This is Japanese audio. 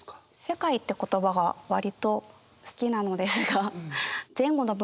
「世界」って言葉が割と好きなのですが。